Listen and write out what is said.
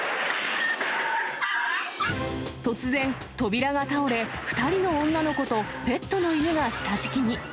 突然、扉が倒れ、２人の女の子とペットの犬が下敷きに。